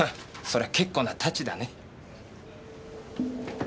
そりゃ結構なタチだね。